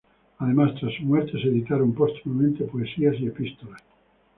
Además tras su muerte se editaron póstumamente poesías y epístolas.